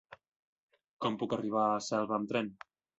Com puc arribar a Selva amb tren?